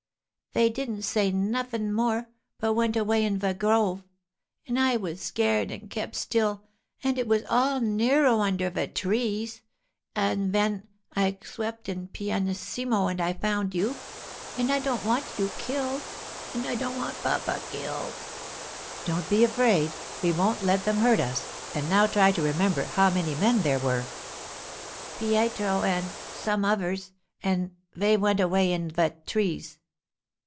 'Vey didn't say nuffin more, but went away in ve grove. An' I was scared an' kept still, an' it was all nero under ve trees; an' ven I cwept in pianissimo an' I found you—an' I don't want you killed, an' I don't want papa killed.' 'Don't be afraid. We won't let them hurt us. And now try to remember how many men there were.' 'Pietro an'—some uvers, an' vey went away in ve trees.